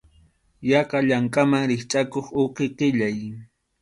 Yaqa llankaman rikchʼakuq uqi qʼillay.